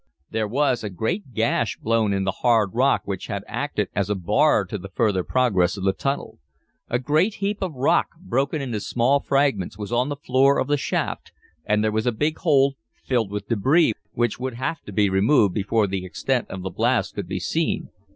There was a great gash blown in the hard rock which had acted as a bar to the further progress of the tunnel. A great heap of rock, broken into small fragments, was on the floor of the shaft, and there was a big hole filled with debris which would have to be removed before the extent of the blast could be seen.